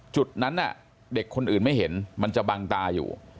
จุดนั้นเด็กคนอื่นไม่เห็นมันจะบังตาอยู่